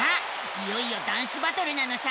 いよいよダンスバトルなのさ！